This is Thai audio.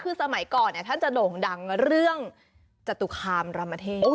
คือสมัยก่อนท่านจะโด่งดังเรื่องจตุคามรามเทพ